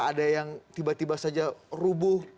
ada yang tiba tiba saja rubuh